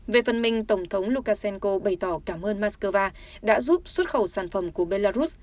về phần mình tổng thống lukashenko bày tỏ cảm ơn moscow đã giúp xuất khẩu sản phẩm của belarus